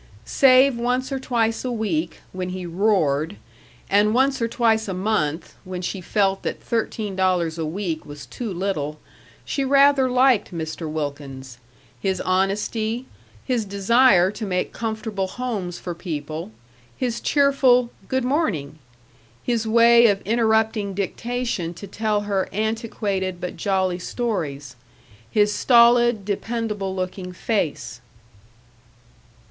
Save once or twice a week, when he roared, and once or twice a month, when she felt that thirteen dollars a week was too little, she rather liked Mr. Wilkins his honesty, his desire to make comfortable homes for people, his cheerful "Good morning!" his way of interrupting dictation to tell her antiquated but jolly stories, his stolid, dependable looking face.